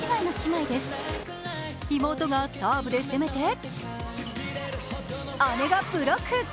妹がサーブで攻めて姉がブロック。